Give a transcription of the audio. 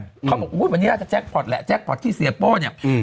เขาบอกอุ้ยวันนี้น่าจะแจ็คพอร์ตแหละแจ็คพอร์ตที่เสียโป้เนี่ยอืม